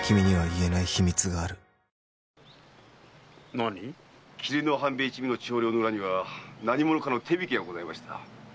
なに⁉“霧の半兵衛”一味の跳梁の裏には何者かの手引きがございました。